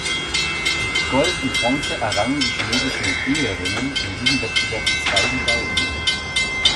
Mit Gold und Bronze errangen die chinesischen Geherinnen in diesem Wettbewerb zwei Medaillen.